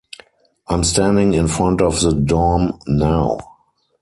I’m standing in front of the dorm now.